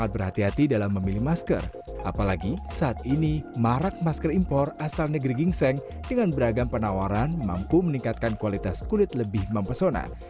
beragam penawaran mampu meningkatkan kualitas kulit lebih mempesona